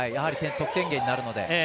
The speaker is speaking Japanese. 得点源になるので。